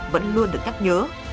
vẫn luôn được nhắc nhớ